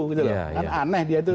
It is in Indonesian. kan aneh dia itu